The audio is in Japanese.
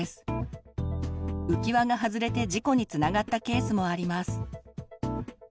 浮き輪が外れて事故につながったケースもあります。